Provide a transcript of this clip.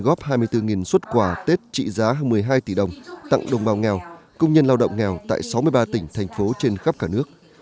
góp hai mươi bốn xuất quà tết trị giá hơn một mươi hai tỷ đồng tặng đồng bào nghèo công nhân lao động nghèo tại sáu mươi ba tỉnh thành phố trên khắp cả nước